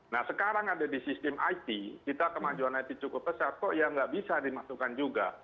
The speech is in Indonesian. nah sekarang ada di sistem it kita kemajuan it cukup besar kok ya nggak bisa dimasukkan juga